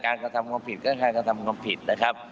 กระทำความผิดก็คือการกระทำความผิดนะครับ